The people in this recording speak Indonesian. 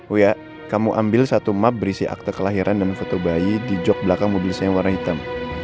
oh ya kamu ambil satu map berisi akte kelahiran dan foto bayi di jok belakang mobil saya warna hitam